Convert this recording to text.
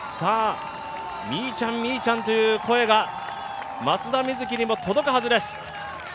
みーちゃん、みーちゃんという声が松田瑞生にも届くはずです。